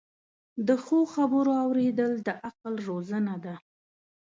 د ښو خبرو اوریدل د عقل روزنه ده.